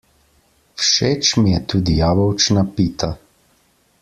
Všeč mi je tudi jabolčna pita.